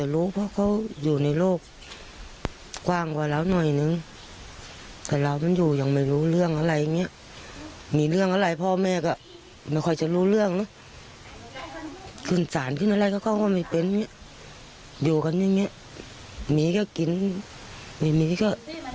แล้วเขาก็ไม่เป็นอย่างนี้อยู่กันอย่างนี้มีก็กินไม่มีก็